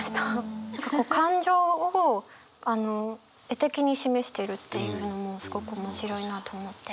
感情を絵的に示してるっていうのもすごく面白いなと思って。